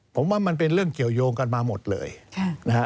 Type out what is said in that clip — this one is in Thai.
ผมว่ามันเป็นเรื่องเกี่ยวยงกันมาหมดเลยนะฮะ